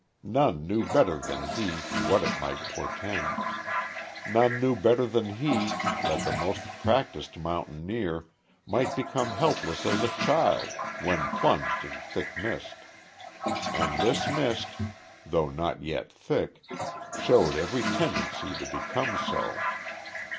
None knew better than he what it might portend. None knew better than he that the most practised mountaineer might become helpless as a child when plunged in thick mist. And this mist, though not yet thick, showed every tendency to become so.